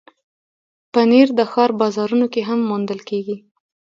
پنېر د ښار بازارونو کې هم موندل کېږي.